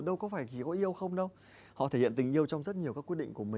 đâu có phải có yêu không đâu